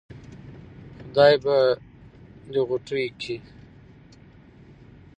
خدا به دې ِغوټېو کې